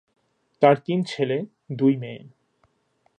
তার তিন ছেলে, দুই মেয়ে।